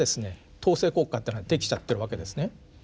統制国家っていうのができちゃってるわけですね。